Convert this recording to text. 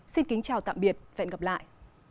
xin kính chào tạm biệt và hẹn gặp lại